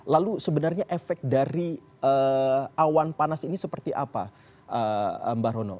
lalu sebenarnya efek dari awan panas ini seperti apa mbak rono